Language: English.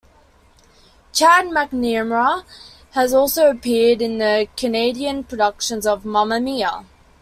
Chad McNamara has also appeared in the Canadian productions of Mamma Mia!